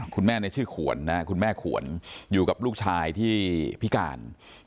ในชื่อขวนนะคุณแม่ขวนอยู่กับลูกชายที่พิการ